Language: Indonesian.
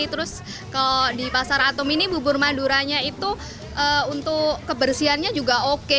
terus kalau di pasar atom ini bubur maduranya itu untuk kebersihannya juga oke